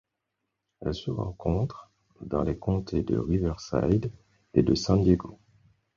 Elle se rencontre dans les comtés de Riverside et de San Diego.